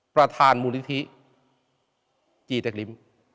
ประธานมูลิธิจีตกริม